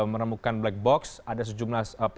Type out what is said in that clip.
menemukan black box ada sejumlah